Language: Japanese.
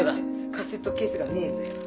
カセットケースがねえんだよ。